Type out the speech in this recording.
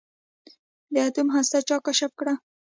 د اتوم هسته چا کشف کړه.